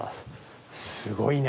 すごいね！